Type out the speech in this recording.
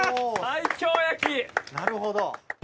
なるほど。